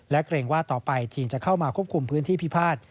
และเกรงว่าต่อไปจีนจะเข้ามาควบคุมพื้นที่พิพาท